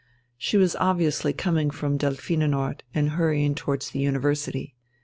She was obviously coming from "Delphinenort" and hurrying towards the University.